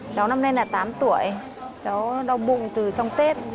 cháu năm nay là tám tuổi cháu đau bụng từ trong tết